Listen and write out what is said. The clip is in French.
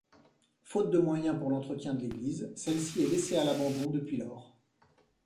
Faute de moyens pour l'entretien de l'église, celle-ci est laissée à l'abandon depuis lors.